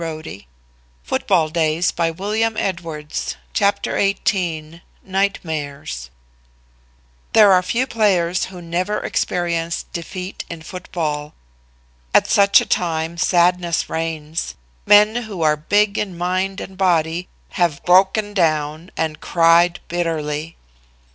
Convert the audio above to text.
[Illustration: HOW IT HURTS TO LOSE] CHAPTER XVIII NIGHTMARES There are few players who never experienced defeat in football. At such a time sadness reigns. Men who are big in mind and body have broken down and cried bitterly.